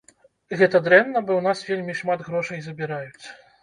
Гэта дрэнна, бо ў нас вельмі шмат грошай забіраюць.